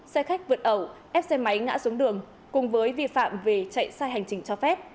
xe khách vượt ẩu ép xe máy ngã xuống đường cùng với vi phạm về chạy sai hành trình cho phép